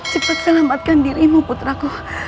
cepat selamatkan dirimu putraku